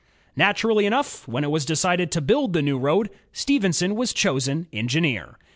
'' Naturally enough, when it was decided to build the new road, Stephenson was chosen engineer.